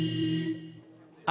あ。